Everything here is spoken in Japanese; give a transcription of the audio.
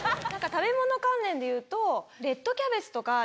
食べ物関連でいうと。